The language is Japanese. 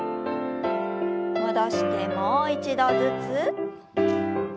戻してもう一度ずつ。